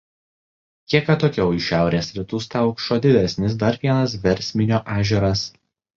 Kiek atokiau į šiaurės rytus telkšo didesnis dar vienas Versminio ežeras.